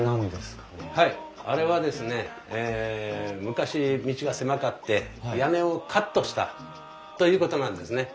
昔道が狭かって屋根をカットしたということなんですね。